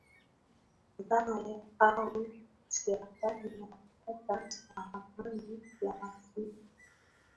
hatari au si hatari ya kupata saratani ya matiti